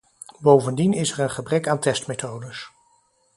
Bovendien is er een gebrek aan testmethodes.